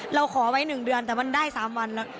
เราขอไว้๑เดือนแต่มันได้๓วัน